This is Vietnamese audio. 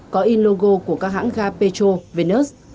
có in logo của các hãng ga petrol